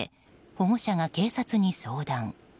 保護者が警察に相談。